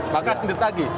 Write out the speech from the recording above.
maka akan ditagi